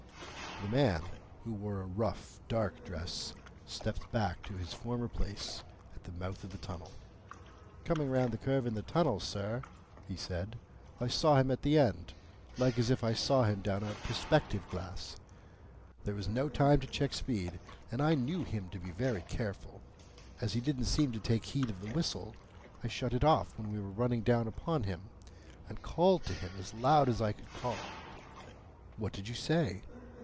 The man, who wore a rough dark dress, stepped back to his former place at the mouth of the tunnel. "Coming round the curve in the tunnel, sir," he said, "I saw him at the end, like as if I saw him down a perspective glass. There was no time to check speed, and I knew him to be very careful. As he didn't seem to take heed of the whistle, I shut it off when we were running down upon him, and called to him as loud as I could call." "What did you say?"